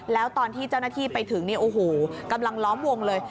แล้วตอนที่เจ้าหน้าที่ไปถึงกำลังล้อมวงเลย